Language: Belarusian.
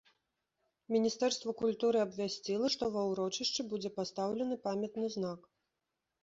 Міністэрства культуры абвясціла, што ва ўрочышчы будзе пастаўлены памятны знак.